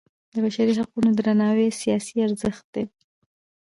د بشري حقونو درناوی سیاسي ارزښت دی